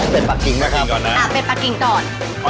เป็ดปักกิ่งนะครับอ่าเป็ดปักกิ่งตอน